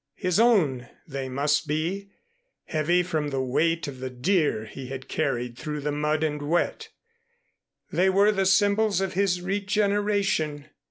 His own they must be, heavy from the weight of the deer he had carried through the mud and wet. They were the symbols of his regeneration.